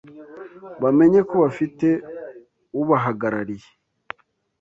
Bamenye ko bafite ubahagarariye